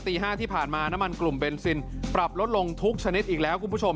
ตี๕ที่ผ่านมาน้ำมันกลุ่มเบนซินปรับลดลงทุกชนิดอีกแล้วคุณผู้ชม